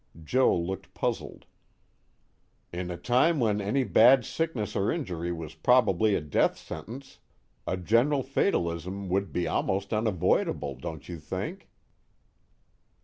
Joe looked puzzled. "In a time when any bad sickness or injury was probably a death sentence, a general fatalism would be almost unavoidable, don't you think?"